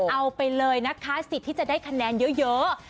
เอาไปเลยนะคะสิทธิ์ที่จะได้คะแนนเยอะ